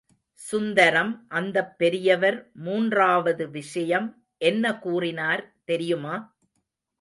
சுந்தரம் அந்தப் பெரியவர் மூன்றாவது விஷயம் என்ன கூறினார் தெரியுமா?